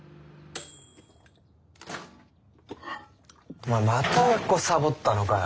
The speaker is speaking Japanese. お前また学校サボったのかよ。